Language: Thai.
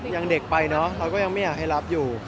ยังเด็กไปเนอะเราก็ยังไม่อยากให้รับอยู่